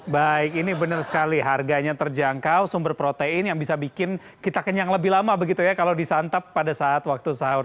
baik ini benar sekali harganya terjangkau sumber protein yang bisa bikin kita kenyang lebih lama begitu ya kalau disantap pada saat waktu sahur